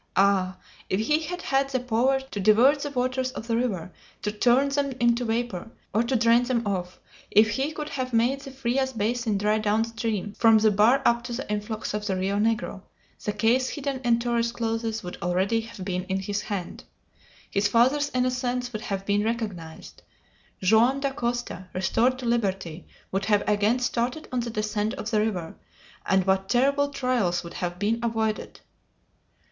Ah! If he had had the power to divert the waters of the river, to turn them into vapor, or to drain them off if he could have made the Frias basin dry down stream, from the bar up to the influx of the Rio Negro, the case hidden in Torres' clothes would already have been in his hand! His father's innocence would have been recognized! Joam Dacosta, restored to liberty, would have again started on the descent of the river, and what terrible trials would have been avoided!